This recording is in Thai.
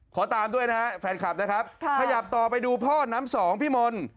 ขอตามด้วยนะฮะแฟนคลับนะครับขยับต่อไปดูพ่อน้ำสองพี่มนต์